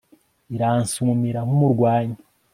iransumira nk'umurwanyi